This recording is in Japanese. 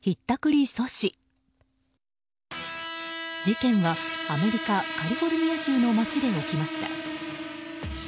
事件はアメリカ・カリフォルニア州の街で起きました。